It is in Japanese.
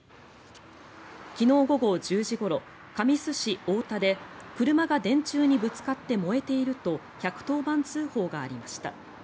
昨日午後１０時ごろ神栖市太田で車が電柱にぶつかって燃えていると１１０番通報がありました。